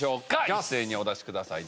一斉にお出しください。